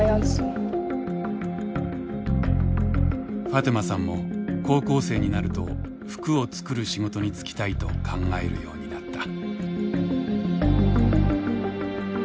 ファトゥマさんも高校生になると服を作る仕事に就きたいと考えるようになった。